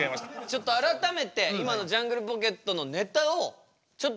ちょっと改めて今のジャングルポケットのネタをちょっとこちらで見てみましょう。